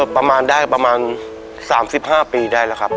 ประมาณได้ประมาณ๓๕ปีได้แล้วครับ